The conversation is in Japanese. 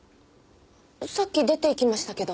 さっき出ていきましたけど。